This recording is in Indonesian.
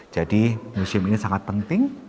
jadi museum ini sangat penting